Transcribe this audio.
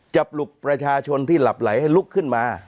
ปลุกประชาชนที่หลับไหลให้ลุกขึ้นมา